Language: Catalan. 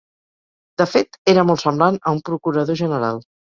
De fet, era molt semblant a un procurador general.